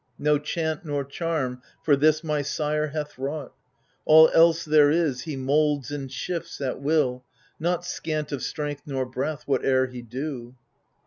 No chant nor charm for this my Sire hath wrought. All else there is, he moulds and shifts at will, Not scant of strength nor breath, whatever he do.